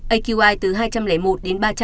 aqi từ hai trăm linh một đến ba trăm linh